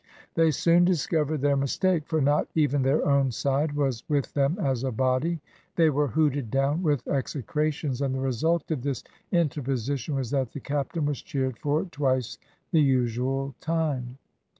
They soon discovered their mistake, for not even their own side was with them as a body. They were hooted down with execrations, and the result of this interposition was that the captain was cheered for twice the usual time.